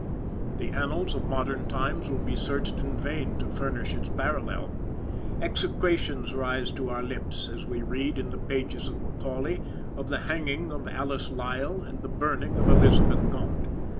The annals of modern times will be searched in vain to furnish its parallel. Execrations rise to our lips, as we read, in the pages of Macaulay, of the hanging of Alice Lisle, and the burning of Elizabeth Gaunt.